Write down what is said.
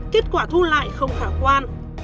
kết quả thu lại không khả quan